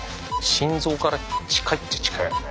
心臓から近いっちゃ近いよね。